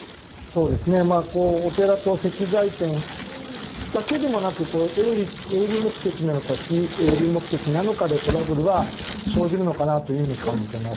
お寺と石材店だけでもなく営利目的なのか非営利目的なのかでトラブルは生じるのかなと感じてます。